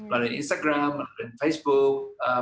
bagi instagram facebook